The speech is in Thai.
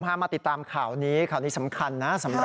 มาติดตามข่าวนี้ข่าวนี้สำคัญนะ